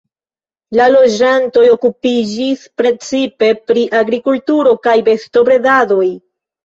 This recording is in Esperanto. La loĝantoj okupiĝis precipe pri agrikulturo kaj bestobredadoj.